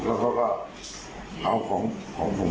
พี่ยืดลายมาพอก็ถูกแล้วก็ถูกแล้วก็ถูก